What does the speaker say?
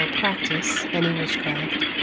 practise ... any witchcraft ...